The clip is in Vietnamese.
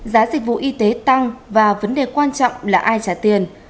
giá dịch vụ y tế tăng và vấn đề quan trọng là ai trả tiền